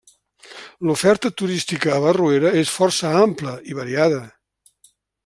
L'oferta turística a Barruera és força ampla i variada.